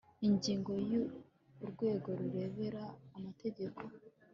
ingingo ya urwego rureberera amategeko